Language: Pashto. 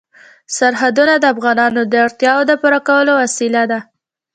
سرحدونه د افغانانو د اړتیاوو د پوره کولو وسیله ده.